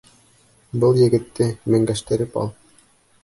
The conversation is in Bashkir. Был егетте меңгәштереп ал.